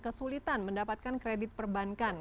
kesulitan mendapatkan kredit perbankan